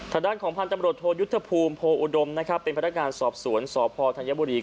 ถ้าด้านของพันธ์ตำรวจโทรยุทธภูมิโพอุดมเป็นพันธการสอบสวนสพธัญบุรี